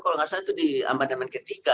kalau nggak salah itu di amandemen ketiga